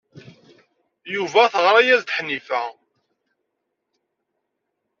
Yuba teɣra-as-d Ḥnifa.